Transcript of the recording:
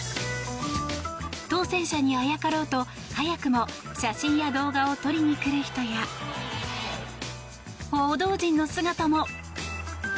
当せん者にあやかろうと早くも写真や動画を撮りに来る人や報道陣の姿も！